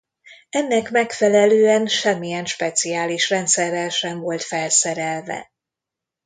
Ennek megfelelően semmilyen speciális rendszerrel sem volt felszerelve.